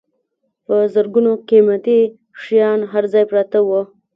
په زرګونو قیمتي شیان هر ځای پراته وو.